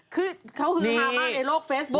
คือเขาฮือฮามากในโลกเฟซบุ๊